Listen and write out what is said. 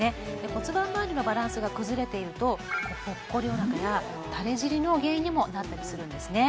骨盤まわりのバランスが崩れているとぽっこりおなかやタレ尻の原因にもなったりするんですね